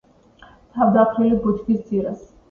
თავდახრილი ბუჩქის ძირას,